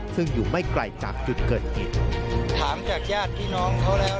ซึ่งอยู่ไม่ไกลจากจุดเกิดเห็น